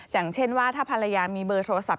อย่างเช่นว่าถ้าภรรยามีเบอร์โทรศัพท์